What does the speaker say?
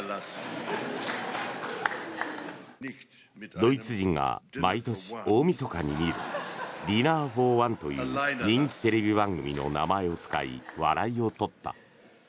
ドイツ人が毎年、大みそかに見る「ディナーフォーワン」という人気テレビ番組の名前を使い笑いを取った。